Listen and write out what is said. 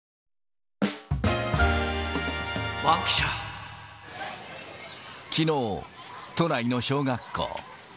そして、きのう、都内の小学校。